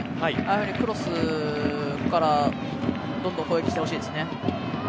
やはりクロスから、どんどん攻撃してほしいですね。